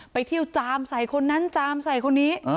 ไปเที่ยวจามใส่คนนั้นจามใส่คนนี้